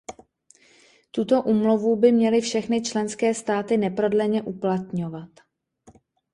Tuto úmluvu by měly všechny členské státy neprodleně uplatňovat.